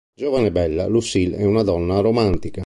Giovane e bella, Lucille è una donna romantica.